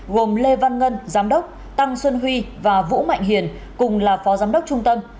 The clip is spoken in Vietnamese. gồm lê văn ngân giám đốc tăng xuân huy và vũ mạnh hiền cùng là phó giám đốc trung tâm